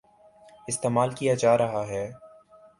استعمال کیا جارہا ہے ۔